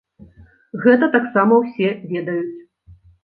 Гэта таксама ўсе ведаюць.